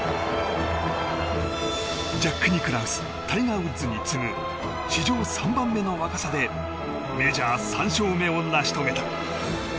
ジャック・ニクラウスタイガー・ウッズに次ぐ史上３番目の若さでメジャー３勝目を成し遂げた。